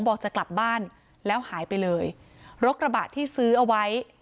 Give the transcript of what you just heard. บอกจะกลับบ้านแล้วหายไปเลยรถกระบะที่ซื้อเอาไว้